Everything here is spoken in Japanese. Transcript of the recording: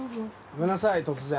ごめんなさい突然。